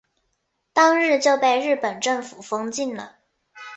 当日就被日本政府封禁了。